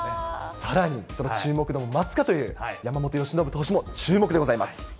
さらに、その注目度も増すかという山本由伸投手も注目でございます。